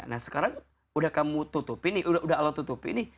nah sekarang udah kamu tutupi nih udah allah tutupi nih